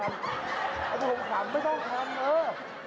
ไม่ต้องคำไม่ต้องคำเลย